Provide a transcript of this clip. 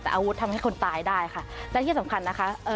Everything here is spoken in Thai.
แต่อาวุธทำให้คนตายได้ค่ะและที่สำคัญนะคะเอ่อ